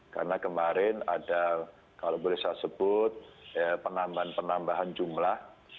karena kemarin ada kalau boleh saya sebut penambahan penambahan jumlah